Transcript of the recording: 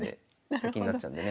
と金なっちゃうんでね。